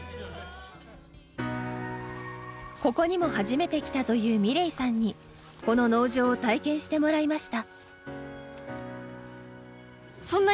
ここにも初めて来たというｍｉｌｅｔさんにこの農場を体験してもらいました。